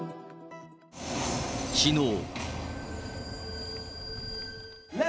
きのう。